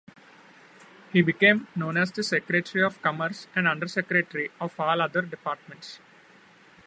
He became known as the Secretary of Commerce and Under-Secretary of all other departments.